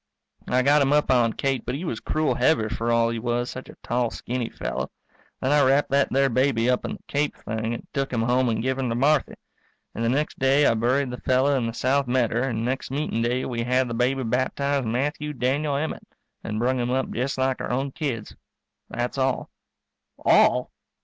I got him up on Kate, but he was cruel heavy for all he was such a tall skinny fellow. Then I wrapped that there baby up in the cape thing and took him home and give him to Marthy. And the next day I buried the fellow in the south medder and next meetin' day we had the baby baptized Matthew Daniel Emmett, and brung him up just like our own kids. That's all. _All?